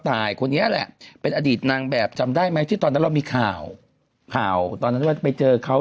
ตายคนนี้แหละเป็นอดีตนางแบบจำได้ไหมที่ตอนนั้นเรามีข่าวข่าวตอนนั้นว่าไปเจอเขา